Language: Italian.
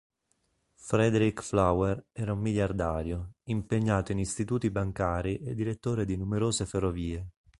Frederick Flower era un miliardario, impegnato in istituti bancari e direttore di numerose ferrovie.